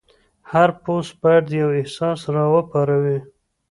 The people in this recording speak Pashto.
هر پوسټ باید یو احساس راوپاروي.